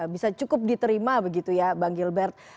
bisa cukup diterima begitu ya bang gilbert